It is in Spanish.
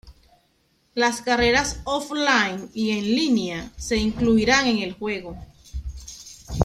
Las carreras offline y en línea se incluirán en el juego.